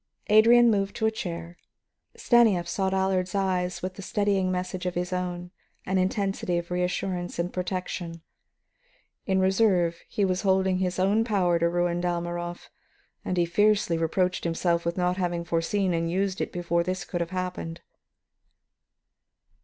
Adrian moved to a chair. Stanief sought Allard's eyes with the steadying message of his own, an intensity of reassurance and protection. In reserve he was holding his own power to ruin Dalmorov, and he fiercely reproached himself with not having foreseen and used it before this could have happened.